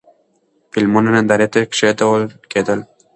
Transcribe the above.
فلمونه نندارې ته کېښودل کېدل.